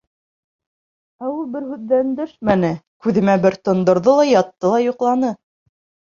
Ә ул бер һүҙ ҙә өндәшмәне, күҙемә бер тондорҙо ла ятты ла йоҡланы!..